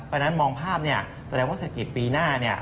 เพราะฉะนั้นมองภาพแสดงว่าเศรษฐกิจปีหน้า